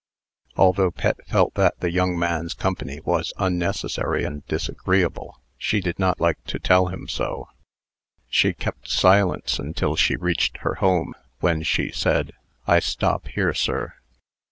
Although Pet felt that the young man's company was unnecessary and disagreeable, she did not like to tell him so. She kept silence until she reached her home, when she said, "I stop here, sir."